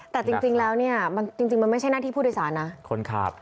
แต่จริงแล้วเนี่ยจริงมันไม่ใช่หน้าที่ผู้โดยสารนะคนขับ